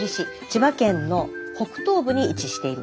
千葉県の北東部に位置しています。